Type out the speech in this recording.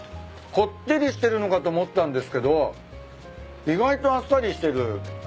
こってりしてるのかと思ったんですけど意外とあっさりしてる。